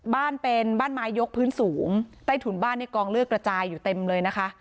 บ้านเป็นบ้านไม้ยกพื้นสูงใต้ถุนบ้านในกองเลือดกระจายอยู่เต็มเลยนะคะ